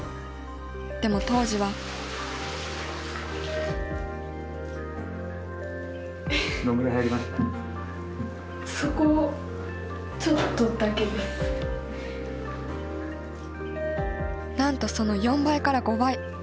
でも当時はなんとその４倍から５倍。